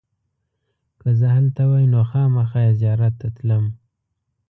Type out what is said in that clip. که زه هلته وای نو خامخا یې زیارت ته تلم.